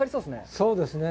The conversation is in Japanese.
そうですね。